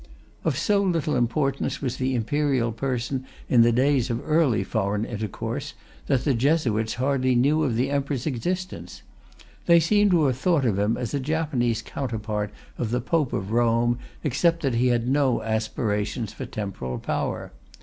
Of so little importance was the Imperial person in the days of early foreign intercourse that the Jesuits hardly knew of the Emperor's existence. They seem to have thought of him as a Japanese counterpart of the Pope of Rome, except that he had no aspirations for temporal power.